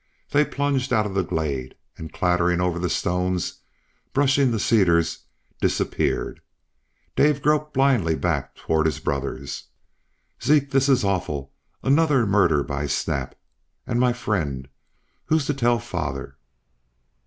They plunged out of the glade, and clattering over the stones, brushing the cedars, disappeared. Dave groped blindly back toward his brothers. "Zeke, this's awful. Another murder by Snap! And my friend!... Who's to tell father?"